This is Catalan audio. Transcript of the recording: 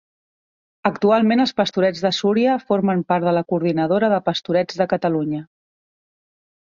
Actualment els Pastorets de Súria formen part de la Coordinadora de Pastorets de Catalunya.